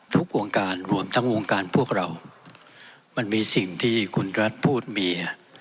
วงการรวมทั้งวงการพวกเรามันมีสิ่งที่คุณรัฐพูดเมีย